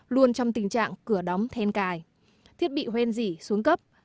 luôn trong tình trạng cửa đóng then cài thiết bị hoen dỉ xuống cấp